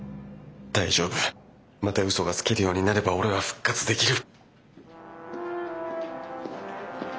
大丈夫また嘘がつけるようになれば俺は復活できる！